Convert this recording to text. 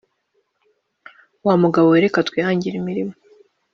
wa mugabo we reka twihangire imirimo